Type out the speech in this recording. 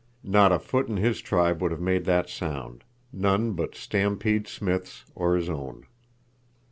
Not a foot in his tribe would have made that sound; none but Stampede Smith's or his own.